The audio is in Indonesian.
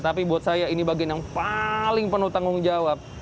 tapi buat saya ini bagian yang paling penuh tanggung jawab